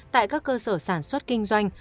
tại các cơ sở sản xuất kinh doanh